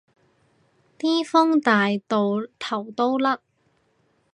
啲風大到頭都甩